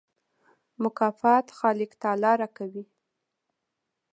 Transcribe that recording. مکافات خالق تعالی راکوي.